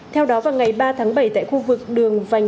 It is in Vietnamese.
theo đó vào ngày ba tháng bảy tại khu vực đường vành